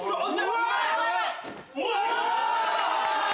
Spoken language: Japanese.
うわ！